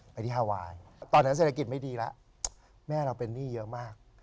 ภาษาอังกฤษยังไม่ได้ดีมาก